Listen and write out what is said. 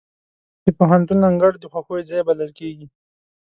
د پوهنتون انګړ د خوښیو ځای بلل کېږي.